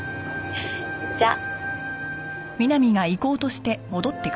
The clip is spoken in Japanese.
じゃあ。